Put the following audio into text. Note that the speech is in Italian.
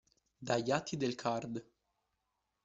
Dagli atti del Card.